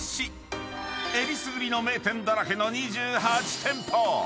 ［えりすぐりの名店だらけの２８店舗］